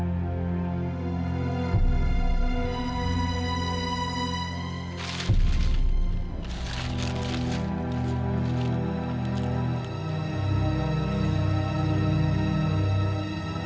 aku gak tahu